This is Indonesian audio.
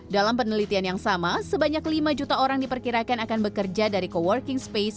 dalam penelitian yang sama sebanyak lima juta orang diperkirakan akan bekerja dari co working space